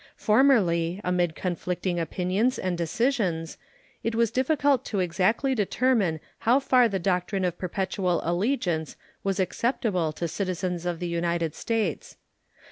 Formerly, amid conflicting opinions and decisions, it was difficult to exactly determine how far the doctrine of perpetual allegiance was applicable to citizens of the United States.